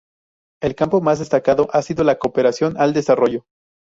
El campo más destacado ha sido la cooperación al desarrollo.